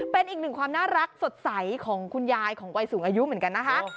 เป็นอีกหนึ่งความน่ารักสดใสของคุณยายของวัยสูงอายุเหมือนกันนะคะ